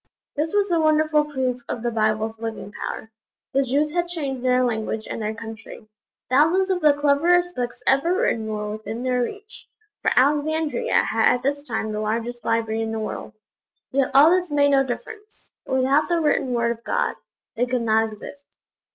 This was a wonderful proof of the Bible's living power. The Jews had changed their language and their country. Thousands of the cleverest books ever written were within their reach for Alexandria had at this time the largest library in the world yet all this made no difference; without the written Word of God, they could not exist.